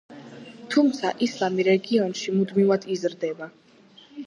თუმცა, ისლამი რეგიონში მუდმივად იზრდება.